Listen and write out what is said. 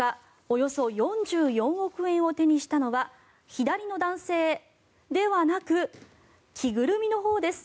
およそ４４億円を手にしたのは左の男性ではなく着ぐるみのほうです。